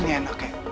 ini enak ya